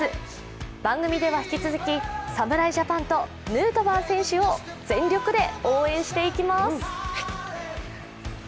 番組では引き続き、侍ジャパンとヌートバー選手を全力で応援していきます！